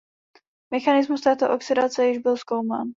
Mechanismus této oxidace již byl zkoumán.